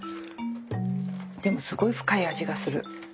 でもすごい深い味がする。